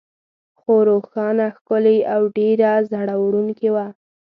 خونه روښانه، ښکلې او ډېره زړه وړونکې وه.